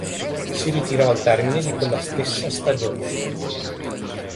Si ritirò al termine di quella stessa stagione.